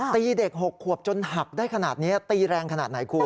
ตีเด็ก๖ขวบจนหักได้ขนาดนี้ตีแรงขนาดไหนคุณ